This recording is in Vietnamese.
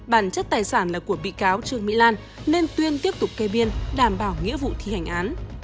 bản chất tài sản là của bị cáo trương mỹ lan nên tuyên tiếp tục kê biên đảm bảo nghĩa vụ thi hành án